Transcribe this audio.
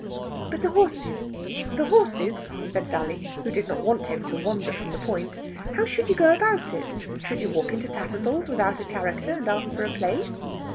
"But the horses the horses," said Sally, who did not want him to wander from the point. "How should you go about it? Should you walk into Tattersall's without a character, and ask for a place?"